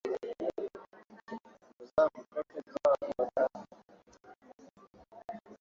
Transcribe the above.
wakati ambapo waandamanaji wakichukua hatua zaidi za kumwondoa madarakani rais salle